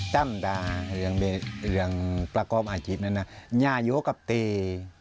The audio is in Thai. ตำด่าเรื่องประกอบอาชีพนั้นนะอย่าอยู่กับตี